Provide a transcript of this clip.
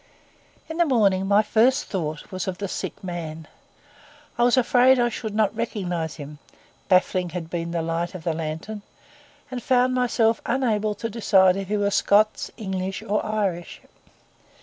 In the morning, my first thought was of the sick man. I was afraid I should not recognise him, baffling had been the light of the lantern; and found myself unable to decide if he were Scots, English, or Irish.